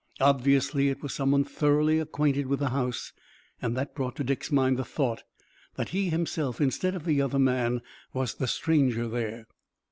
Obviously, it was some one thoroughly acquainted with the house, and that brought to Dick's mind the thought that he himself, instead of the other man, was the stranger there.